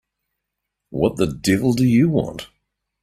What the devil do you want?